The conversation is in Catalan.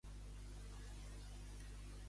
Com considera la independència?